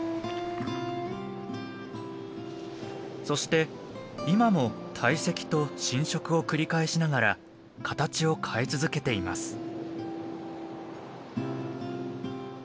そして今も堆積と浸食を繰り返しながら形を変え続けています。